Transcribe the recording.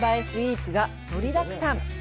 スイーツが盛りだくさん。